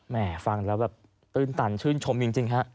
แหมฟังเลยปื้นตันชื่นชมจริงครับ